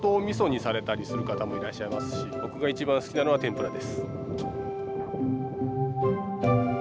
みそにされたりするかと思いますし僕が一番好きなのは天ぷらです。